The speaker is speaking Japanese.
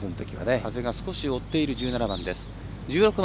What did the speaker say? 風が少し追っている１６番。